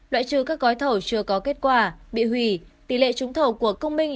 loại trừ các gói thầu chưa có kết quả bị hủy tỷ lệ trúng thầu của công minh